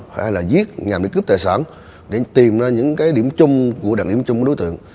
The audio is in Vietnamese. hay là giết nhằm đi cướp tài sản để tìm ra những cái điểm chung của đặc điểm chung của đối tượng